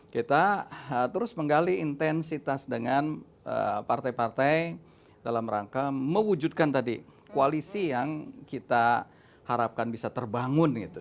kita terus menggali intensitas dengan partai partai dalam rangka mewujudkan tadi koalisi yang kita harapkan bisa terbangun gitu